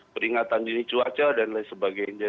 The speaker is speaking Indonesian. peringatan dini cuaca dan lain sebagainya